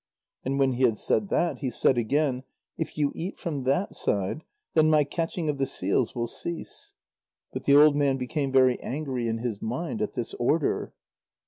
And when he had said that, he said again: "If you eat from that side, then my catching of the seals will cease." But the old man became very angry in his mind at this order.